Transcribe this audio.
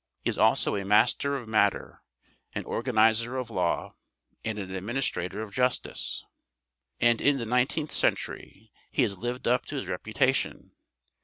He is also a master of matter, an organizer of law, and an administrator of justice. And in the nineteenth century he has lived up to his reputation.